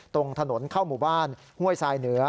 ตรงถนนเข้าหมู่บ้านห้วยทรายเหนือ